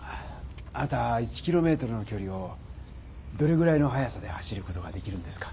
あなた１キロメートルのきょりをどれぐらいの速さで走る事ができるんですか？